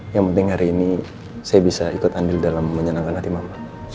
yang penting hari ini saya bisa ikut andil dalam menyenangkan hati mama